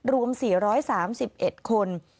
รวม๔๓๑คน